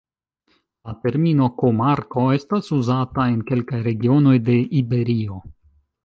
La termino komarko estas uzata en kelkaj regionoj de Iberio.